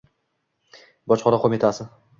Bojxona qo'mitasi